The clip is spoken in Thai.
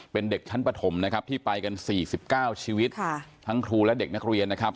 เป็นเด็กชั้นปฐมนะครับที่ไปกัน๔๙ชีวิตทั้งครูและเด็กนักเรียนนะครับ